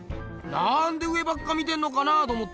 なんで上ばっか見てんのかなあと思ってよ。